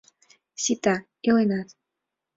Сита, иленат!